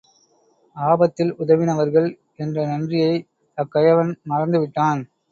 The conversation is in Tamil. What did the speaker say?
ஆபத்தில் உதவினவர்கள் என்ற நன்றியை அக்கயவன் மறந்துவிட்டான்.